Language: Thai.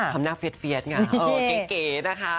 ทำหน้าเฟียสไงเก๋นะคะ